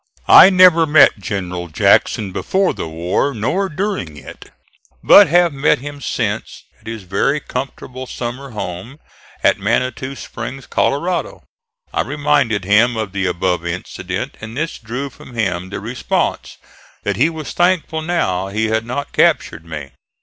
I never met General Jackson before the war, nor during it, but have met him since at his very comfortable summer home at Manitou Springs, Colorado. I reminded him of the above incident, and this drew from him the response that he was thankful now he had not captured me.